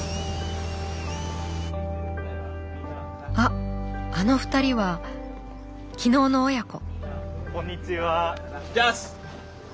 あっあの２人は昨日の親子。